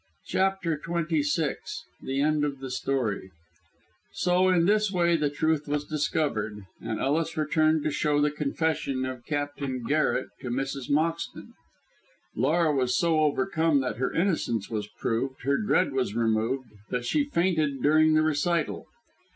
CHAPTER XXVI THE END OF THE STORY So in this way the truth was discovered, and Ellis returned to show the confession of Captain Garret to Mrs. Moxton. Laura was so overcome that her innocence was proved, her dread was removed, that she fainted during the recital.